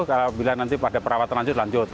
apabila nanti pada perawat terlanjut lanjut